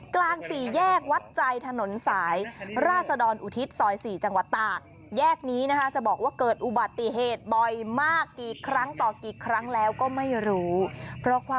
กลางสี่แยกวัดใจถนนสายราศดรอุทิศสอยสี่จังหวัดตา